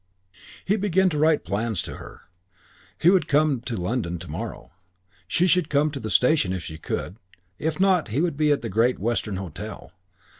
VI He began to write plans to her. He would come to London to morrow.... She should come to the station if she could; if not, he would be at the Great Western Hotel.